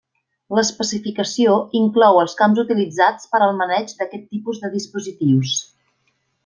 L'especificació inclou els camps utilitzats per al maneig d'aquest tipus de dispositius.